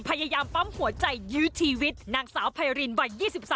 พยายามปั๊มหัวใจยื้อชีวิตนางสาวไพรินวัย๒๓